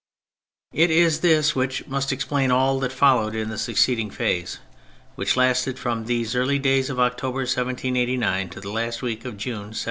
It is this which must explain all that followed in the succeeding phase, which lasted from these early days of October 1789 to the last week of June 1791.